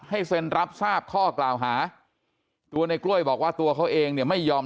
เซ็นรับทราบข้อกล่าวหาตัวในกล้วยบอกว่าตัวเขาเองเนี่ยไม่ยอม